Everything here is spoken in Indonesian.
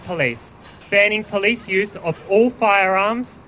yang memban polisi dari semua pembunuhan pasangan